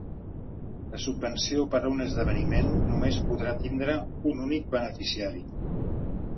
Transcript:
La subvenció per a un esdeveniment només podrà tindre un únic beneficiari.